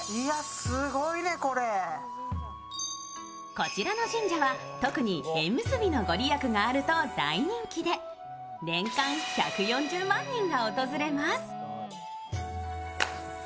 こちらの神社は特に縁結びのご利益があると大人気で年間１４０万人が訪れます。